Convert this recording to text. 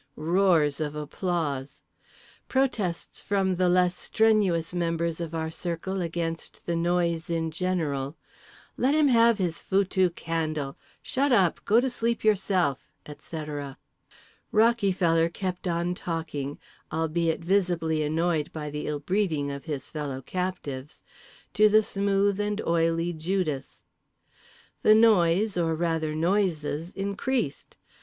Roars of applause. Protests from the less strenuous members of our circle against the noise in general: Let him have his foutue candle, Shut up, Go to sleep yourself, etc. Rockyfeller kept on talking (albeit visibly annoyed by the ill breeding of his fellow captives) to the smooth and oily Judas. The noise, or rather noises, increased.